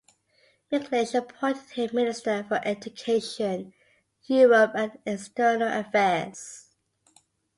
McLeish appointed him Minister for Education, Europe and External Affairs.